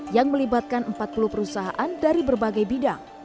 yang melibatkan empat puluh perusahaan dari berbagai bidang